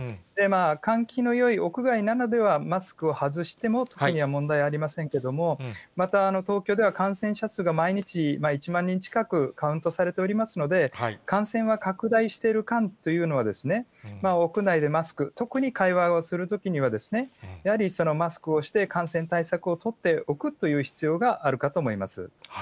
換気のよい屋外などではマスクを外して特には問題ありませんけども、また、東京では感染者数が毎日１万人近くカウントされておりますので、感染は拡大している感というのは、屋内でマスク、特に会話をするときには、やはりマスクをして、感染対策を取っておくという必要があるかと思います。